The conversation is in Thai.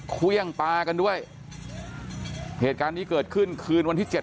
เครื่องปลากันด้วยเหตุการณ์นี้เกิดขึ้นคืนวันที่เจ็ด